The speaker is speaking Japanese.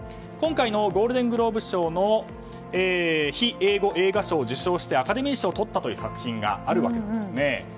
今回のゴールデングローブ賞非英語映画賞を受賞してアカデミー賞をとったという作品があるわけなんですね。